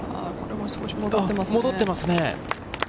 戻ってますね。